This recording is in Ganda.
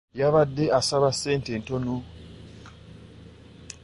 Yabadde asaba ssente ntono.